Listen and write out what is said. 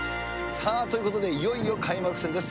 さあ、ということで、いよいよ開幕戦です。